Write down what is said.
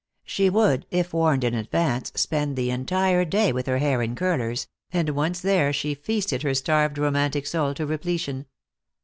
She would, if warned in advance, spend the entire day with her hair in curlers, and once there she feasted her starved romantic soul to repletion.